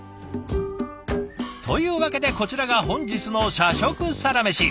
というわけでこちらが本日の社食サラメシ。